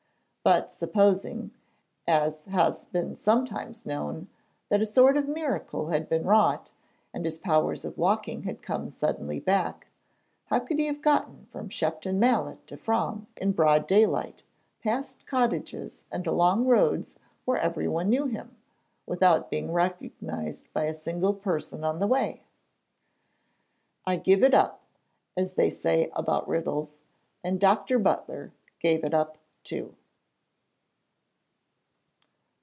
But supposing, as has been sometimes known, that a sort of miracle had been wrought and his powers of walking had come suddenly back, how could he have got from Shepton Mallet to Frome in broad daylight, past cottages and along roads where everyone knew him, without being recognised by a single person on the way? 'I give it up,' as they say about riddles; and Dr. Butler 'gave it up,' too.